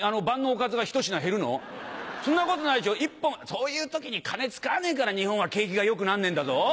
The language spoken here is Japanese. そういう時に金使わねえから日本は景気が良くなんねえんだぞ。